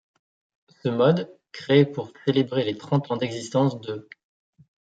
Ce mode, créé pour célébrer les trente ans d'existence de '.